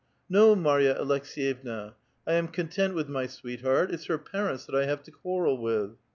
" No, Marya Alekseyevna ; I am content with ray sweet heart ! It's her parents that I have to quarrel with."